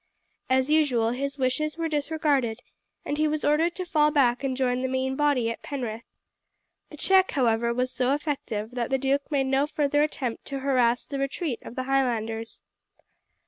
As usual his wishes were disregarded, and he was ordered to fall back and join the main body at Penrith. The check, however, was so effective that the duke made no further attempt to harass the retreat of the Highlanders.